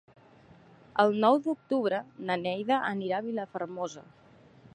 El nou d'octubre na Neida anirà a Vilafermosa.